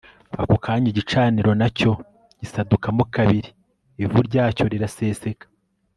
Ako kanya igicaniro na cyo gisadukamo kabiri ivu ryacyo riraseseka